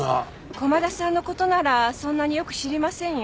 駒田さんの事ならそんなによく知りませんよ。